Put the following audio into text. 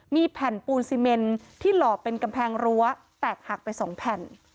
มีแผ่นปูนซีเมนที่หล่อเป็นกำแพงรั้วแตกหักไปสองแผ่น